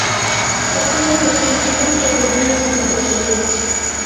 The film received pretty good reviews when it was released.